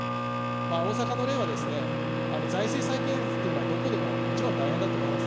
大阪の例は財政再建というのはどこも大変だと思います。